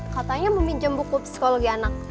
katanya meminjam buku psikologi anak